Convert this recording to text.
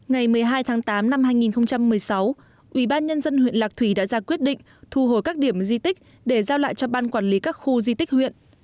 ngày một mươi hai tháng tám năm hai nghìn một mươi sáu ubnd huyện lạc thủy đã ra quyết định thu hồi các điểm di tích để giao lại cho ban quản lý các khu di tích huyện